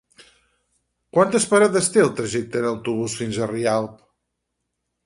Quantes parades té el trajecte en autobús fins a Rialp?